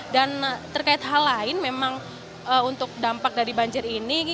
dan terkait hal lain memang untuk dampak dari banjir ini